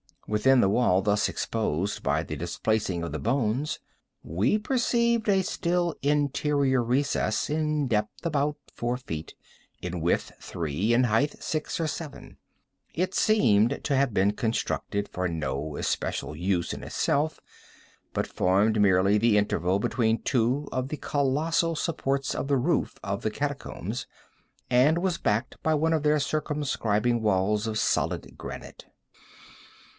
Within the wall thus exposed by the displacing of the bones, we perceived a still interior recess, in depth about four feet, in width three, in height six or seven. It seemed to have been constructed for no especial use in itself, but formed merely the interval between two of the colossal supports of the roof of the catacombs, and was backed by one of their circumscribing walls of solid granite.